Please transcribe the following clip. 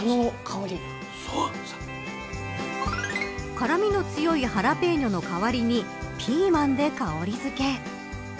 辛味の強いハラペーニョの代わりにピーマンで香りづけ。